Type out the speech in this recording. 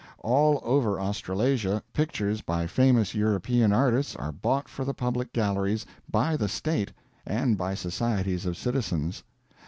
All over Australasia pictures by famous European artists are bought for the public galleries by the State and by societies of citizens.